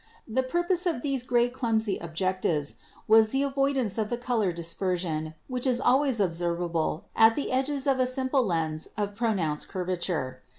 The purpose of these great clumsy ob jectives was the avoidance of the color dispersion which is always observable at the edges of a simple lens of pro nounced curvature.